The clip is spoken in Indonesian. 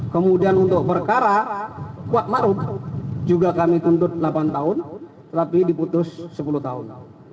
kemudian untuk perkara kuat maruf juga kami tuntut delapan tahun tapi diputus sepuluh tahun